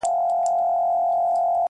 وایې خدای دې کړي خراب چي هرچا وړﺉ,